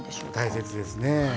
大切ですね。